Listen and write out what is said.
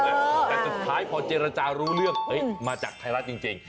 แต่สุดท้ายพอเจรจารู้เรื่องมาจากไทยรัฐจริง